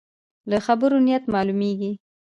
له خبرو نیت معلومېږي.